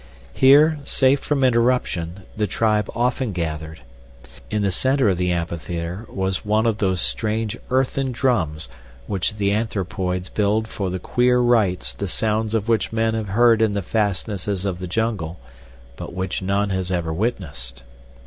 Here, safe from interruption, the tribe often gathered. In the center of the amphitheater was one of those strange earthen drums which the anthropoids build for the queer rites the sounds of which men have heard in the fastnesses of the jungle, but which none has ever witnessed.